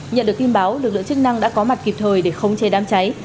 nhận được tin báo lực lượng chức năng đã có mặt kịp thời để không chê đám cháy